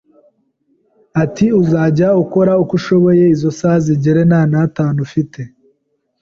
ati uzajya ukora uko ushoboye izo saha zigere nta n’atanu ufite